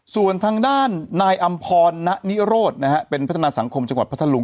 ส่วนทางด้านนายอำพรณนิโรธนะฮะเป็นพัฒนาสังคมจังหวัดพัทธลุง